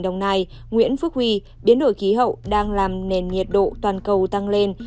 nguyễn phước huy biến đổi khí hậu đang làm nền nhiệt độ toàn cầu tăng lên